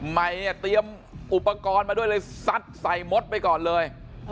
มัยเตรียมอุปกรณ์มาด้วยเลยซัดใส่ม็ดซ์ไปก่อนเลย